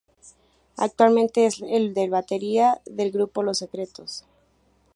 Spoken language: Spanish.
Actualmente es el batería del grupo Los Secretos.